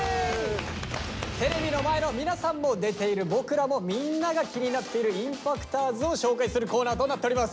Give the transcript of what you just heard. テレビの前の皆さんも出ている僕らもみんなが気になっているＩＭＰＡＣＴｏｒｓを紹介するコーナーとなっております。